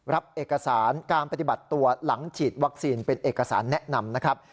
รับเอกสารการปฏิบัติตัวหลังฉีดวัคซีนเป็นเอกสารแนะนำนะครับ